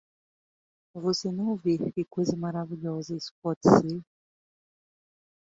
Você não vê que coisa maravilhosa isso pode ser?